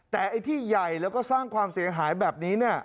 แต่ไอ้ที่ใหญ่แล้วก็สร้างความเสียหายแบบนี้เนี่ย